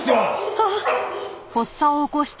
あっ！？